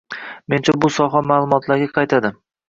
Menimcha, bu soha maʼlumotlarga qaytadi.